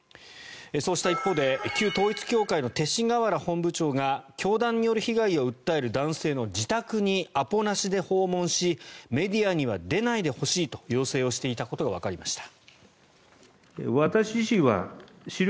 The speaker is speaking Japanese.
そうした一方で旧統一教会の勅使河原本部長が教団による被害を訴える男性の自宅にアポなしで訪問しメディアには出ないでほしいと要請していたことがわかりました。